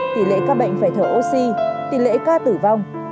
tỷ lệ các bệnh phải thở oxy tỷ lệ ca tử vong